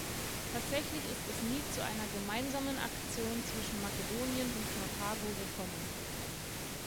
Tatsächlich ist es nie zu einer gemeinsamen Aktion zwischen Makedonien und Karthago gekommen.